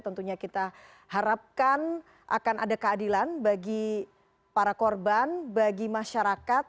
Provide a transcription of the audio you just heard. tentunya kita harapkan akan ada keadilan bagi para korban bagi masyarakat